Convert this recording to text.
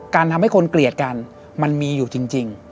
ทำให้คนเกลียดกันมันมีอยู่จริง